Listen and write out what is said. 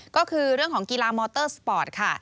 ก็คือเรื่องของกีฬามอเตอร์สปอร์ตค่ะ